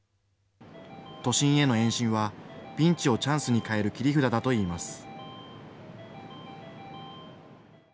都心への延伸は、ピンチをチャンスに変える切り札だといいます。